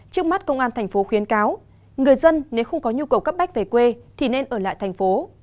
trước mắt công an thành phố khuyến cáo người dân nếu không có nhu cầu cấp bách về quê thì nên ở lại thành phố